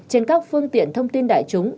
trên các phương tiện thông tin đại chúng